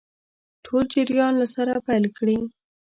ټول جریان له سره پیل کړي.